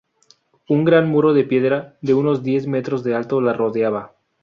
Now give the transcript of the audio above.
Un gran muro de piedra, de unos diez metros de alto la rodeaba.